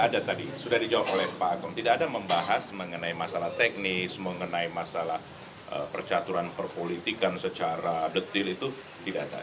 ada tadi sudah dijawab oleh pak agung tidak ada membahas mengenai masalah teknis mengenai masalah percaturan perpolitikan secara detil itu tidak ada